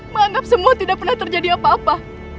menganggap semua tidak pernah terjadi apa apa